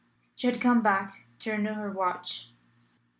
She had come back to renew her watch.